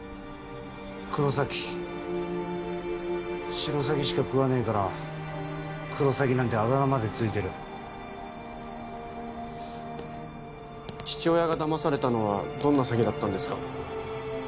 黒崎シロサギしか喰わねえからクロサギなんてあだ名までついてる父親がだまされたのはどんな詐欺だったんですか？